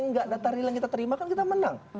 enggak data real yang kita terima kan kita menang